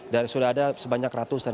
dan sudah ada sebanyak ratusan